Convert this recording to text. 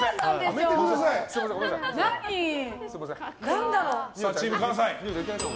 さあ、チーム関西。